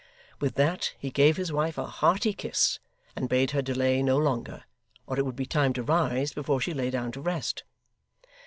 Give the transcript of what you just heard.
With that he gave his wife a hearty kiss, and bade her delay no longer, or it would be time to rise before she lay down to rest.